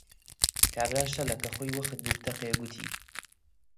کابرا شەلە کە خۆی وەخت بوو بتەقێ، گوتی: